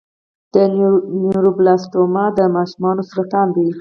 د نیوروبلاسټوما د ماشومانو سرطان دی.